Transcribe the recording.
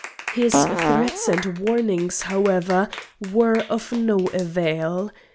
His threats and warnings, however, were of no avail.